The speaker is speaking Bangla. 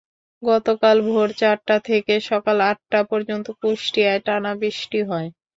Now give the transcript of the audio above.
গতকাল ভোর চারটা থেকে সকাল আটটা পর্যন্ত কুষ্টিয়ায় টানা বৃষ্টি হয়।